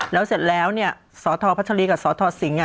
แล้วเสร็จแล้วเนี่ยสทพัชรีกับสทสิงห์